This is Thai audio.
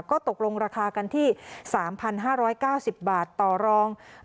ก็ตกลงราคากันที่๓๕๙๐บาทต่อรอง